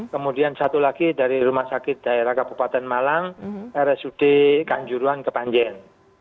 kemudian satu lagi dari rumah sakit daerah kabupaten malang rsud kanjuruan kepanjen